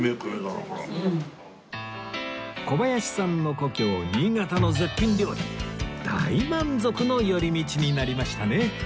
小林さんの故郷新潟の絶品料理大満足の寄り道になりましたね